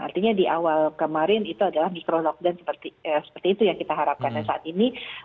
artinya di awal kemarin itu adalah mikro lockdown seperti itu yang kita harapkan saat ini